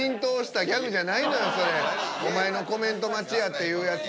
そんなお前のコメント待ちやっていうやつ。